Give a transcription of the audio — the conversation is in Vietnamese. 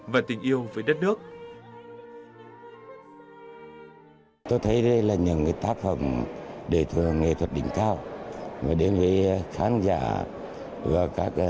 và tình yêu với đất nước